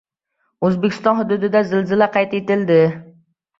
O‘zbekiston hududida zilzila qayd etildi